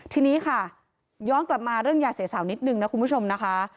ทีนี้ค่ะย้อนกลับมาเรื่องยาเสียสาวนิดนึงนะคุณผู้ชมนะคะ